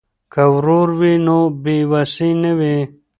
که ورور وي نو بې وسی نه وي.